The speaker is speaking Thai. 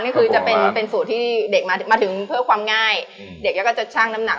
จะเป็นเป็นสูตรที่เด็กมามาถึงเพื่อความง่ายเด็กแล้วก็จะชั่งน้ำหนัก